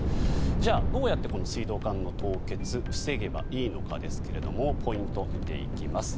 どうやって、この水道管の凍結を防げばいいのかポイントを見ていきます。